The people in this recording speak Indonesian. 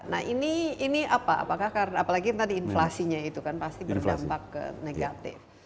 nah ini apa apakah apalagi tadi inflasinya itu kan pasti berdampak negatif